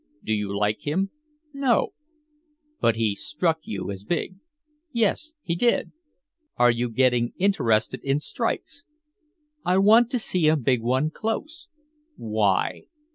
"Do you like him?" "No." "But he struck you as big." "Yes he did." "Are you getting interested in strikes?" "I want to see a big one close." "Why?"